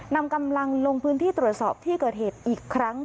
นำกำลังลงพื้นที่ตรวจสอบที่เกิดเหตุอีกครั้ง